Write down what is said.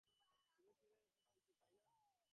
তুমি ল্যাবে ফিরে যেতে চাইছ, তাই না?